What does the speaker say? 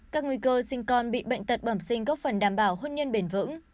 các nguy cơ sinh con bị bệnh tật bẩm sinh góp phần đảm bảo hôn nhân bền vững